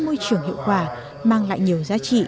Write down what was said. môi trường hiệu quả mang lại nhiều giá trị